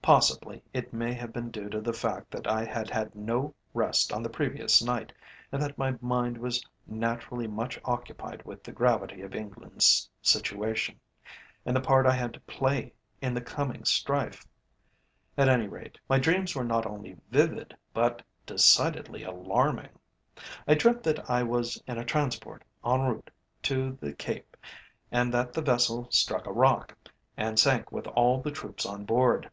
Possibly it may have been due to the fact that I had had no rest on the previous night, and that my mind was naturally much occupied with the gravity of England's situation, and the part I had to play in the coming strife; at any rate, my dreams were not only vivid but decidedly alarming. I dreamt that I was in a transport en route to the Cape, and that the vessel struck a rock, and sank with all the troops on board.